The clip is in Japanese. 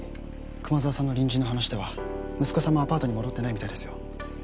熊沢さんの隣人の話では息子さんもアパートに戻ってないみたいですよ。